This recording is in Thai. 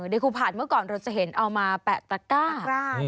ในครูผ่านเมื่อก่อนเราจะเห็นเอามาแปะตะก้ากล้า